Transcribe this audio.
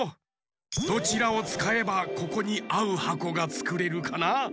どちらをつかえばここにあうはこがつくれるかな？